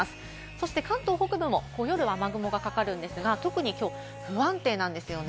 そして関東北部も夜は雨雲がかかるんですが、特にきょう不安定なんですよね。